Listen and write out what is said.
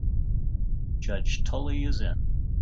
Judge Tully is in.